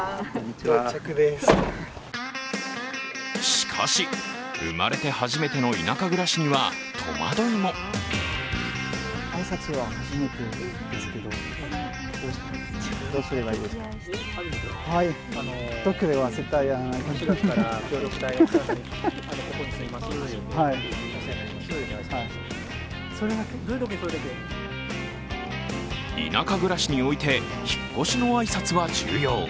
しかし、生まれて初めての田舎暮らしには、戸惑いも田舎暮らしにおいて引っ越しの挨拶は重要。